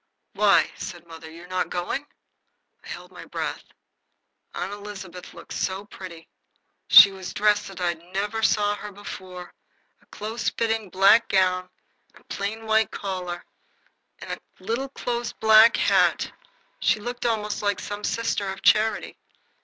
"Why," said mother, "you're not going?" I held my breath. Aunt Elizabeth looked so pretty. She was dressed, as I never saw her before, a close fitting black gown and a plain white collar and a little close black hat. She looked almost like some sister of charity.